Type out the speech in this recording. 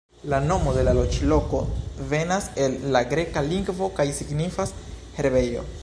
La nomo de la loĝloko venas el la greka lingvo kaj signifas "herbejo".